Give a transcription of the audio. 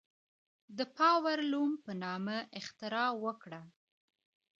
د پاور لوم په نامه اختراع وکړه.